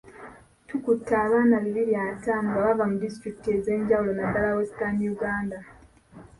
Tukutte abaana bibiri ataano nga bava mu disitulikiti ez'enjawulo naddala Western Uganda.